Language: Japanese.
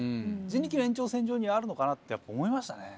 人力の延長線上にあるのかなってやっぱ思いましたね。